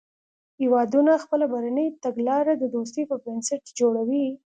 هیوادونه خپله بهرنۍ تګلاره د دوستۍ پر بنسټ جوړوي